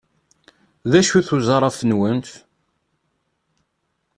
D acu-t uzraf-nwent?